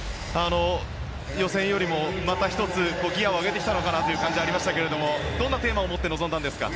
予選よりもまた１つギアを上げてきたのかなという感じがありましたけどどんなテーマを持って臨んだんですか？